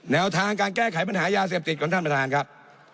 แนวทางการแก้ไขปัญหายาเสพติดของท่านประธานครับ